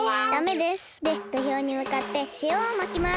でどひょうにむかってしおをまきます。